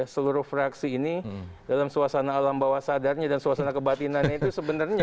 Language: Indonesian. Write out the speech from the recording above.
seluruh fraksi ini dalam suasana alam bawah sadarnya dan suasana kebatinannya itu sebenarnya